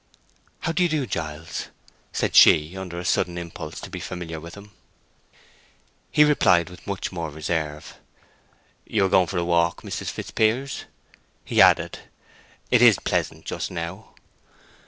"How do you do, Giles?" said she, under a sudden impulse to be familiar with him. He replied with much more reserve. "You are going for a walk, Mrs. Fitzpiers?" he added. "It is pleasant just now."